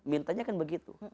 mintanya kan begitu